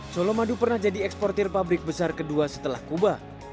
colomadu pernah jadi eksportir pabrik besar kedua setelah kuba